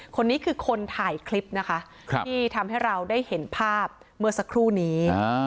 คนนี้คือคนถ่ายคลิปนะคะที่ทำให้เราได้เห็นภาพเมื่อสักครู่นี้